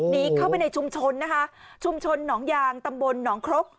หนีเข้าไปในชุมชนนะคะชุมชนหนองยางตำบลหนองครก